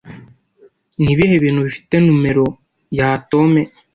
Nibihe bintu bifite numero ya atome